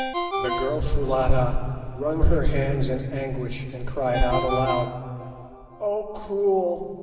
The girl Foulata wrung her hands in anguish, and cried out aloud, "Oh, cruel!